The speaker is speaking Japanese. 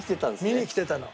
見に来てたの。